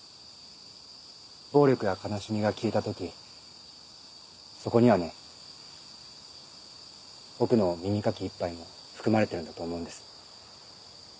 暴力や悲しみが消えた時そこにはね僕の耳かき１杯も含まれてるんだと思うんです。